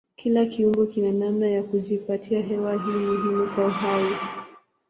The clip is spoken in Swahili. Kila kiumbe kina namna ya kujipatia hewa hii muhimu kwa uhai.